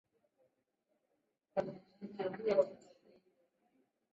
ya madhehebu yake hasa ya Uprotestanti arobaini na sita point tano